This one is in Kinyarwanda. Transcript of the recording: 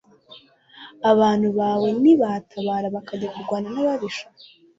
abantu bawe nibatabara bakajya kurwana n'ababisha